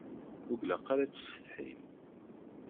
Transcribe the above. Ur ilaq ara ad tessetḥim.